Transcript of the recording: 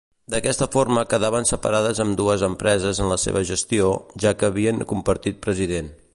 D'aquesta forma quedaven separades ambdues empreses en la seva gestió, ja que havien compartit president.